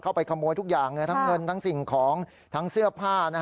ไปขโมยทุกอย่างทั้งเงินทั้งสิ่งของทั้งเสื้อผ้า